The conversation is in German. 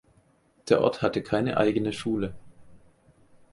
Der Ort hatte keine eigene Schule.